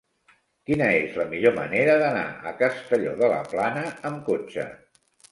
Quina és la millor manera d'anar a Castelló de la Plana amb cotxe?